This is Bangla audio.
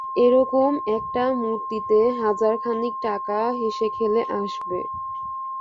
এ রকম একটা মূর্তিতে হাজার খানিক টাকা হেসেখেলে আসবে।